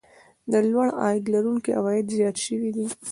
د لوړ عاید لرونکو عوايد زیات شوي دي